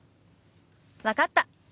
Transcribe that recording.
分かった。